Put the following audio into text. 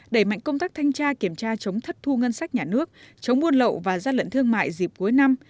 đẩy mạnh công tác thanh tra kiểm tra chống thất thu ngân sách nhà nước chống buôn lậu và gian lận thương mại dịp cuối năm